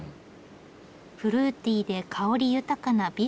フルーティーで香り豊かな美深のビール。